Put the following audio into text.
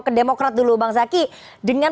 ke demokrat dulu bang zaky dengan